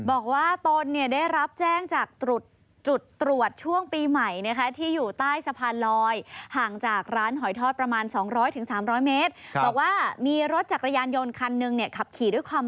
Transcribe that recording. บอกว่าตนเนี่ยได้รับแจ้งจากจุดตรวจช่วงปีใหม่